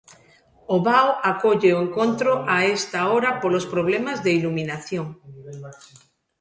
O Vao acolle o encontro a esta hora polos problemas de iluminación.